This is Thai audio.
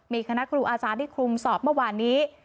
มีคณะครูอาจารย์ที่คลุมสอบเมื่อวานนี้